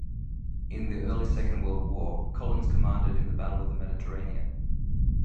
In the early Second World War, Collins commanded in the Battle of the Mediterranean.